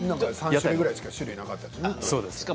３種類ぐらいしか種類なかったですよね。